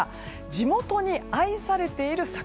地元に愛されている桜。